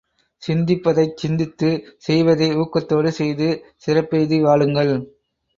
சிந்திப்பதைச் சிந்தித்து, செய்வதை ஊக்கத்தோடு செய்து, சிறப்பெய்தி வாழுங்கள்.